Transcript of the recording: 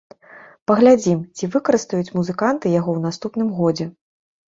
Паглядзім, ці выкарыстаюць музыканты яго ў наступным годзе!